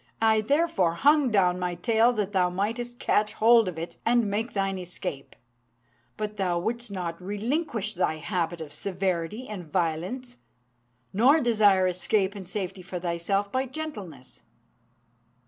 I therefore hung down my tail that thou mightest catch hold of it and make thine escape. But thou wouldst not relinquish thy habit of severity and violence, nor desire escape and safety for thyself by gentleness.